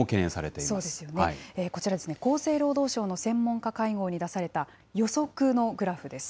こちら、厚生労働省の専門家会合に出された、予測のグラフです。